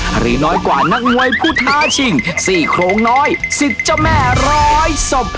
หรือน้อยกว่านักมวยผู้ท้าชิง๔โครงน้อยสิทธิ์เจ้าแม่ร้อยศพ